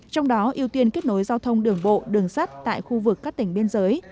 trong đó ưu tiên kết nối giao thông đường bộ đường sắt tại khu vực các tỉnh biên giới